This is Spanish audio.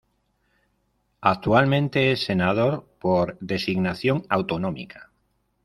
Actualmente es senador por designación autonómica.